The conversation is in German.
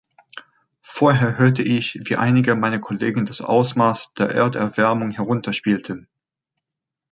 Vorher hörte ich, wie einige meiner Kollegen das Ausmaß der Erderwärmung herunterspielten.